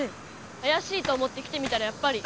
あやしいと思って来てみたらやっぱり。